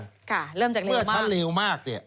เริ่มจากเลวมากเมื่อชั้นเลวมากเนี่ย